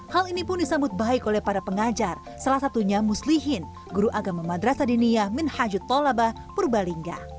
hal ini pun disambut baik oleh para pengajar salah satunya muslihin guru agama madrasa dinia minhajut tolaba purbalinga